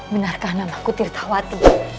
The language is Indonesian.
benarkah namaku tirtawati